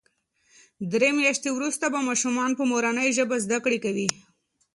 درې میاشتې وروسته به ماشومان په مورنۍ ژبه زده کړه کوي.